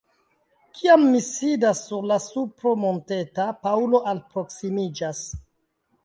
Kiam mi sidis sur la supro monteta, Paŭlo alproksimiĝas.